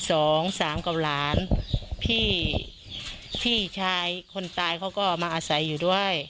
สองสามกับหลานพี่พี่ชายคนตายเขาก็มาอาศัยอยู่ด้วย